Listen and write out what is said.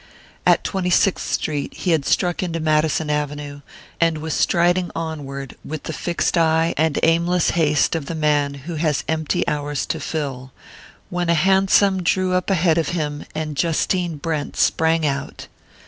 At Twenty sixth Street he had struck into Madison Avenue, and was striding onward with the fixed eye and aimless haste of the man who has empty hours to fill, when a hansom drew up ahead of him and Justine Brent sprang out.